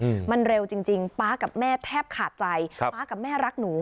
อืมมันเร็วจริงจริงป๊ากับแม่แทบขาดใจครับป๊ากับแม่รักหนู